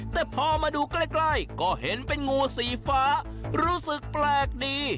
แต่พอมาดูใกล้ก็เห็นเป็นงูสีฟ้ารู้สึกแปลกดี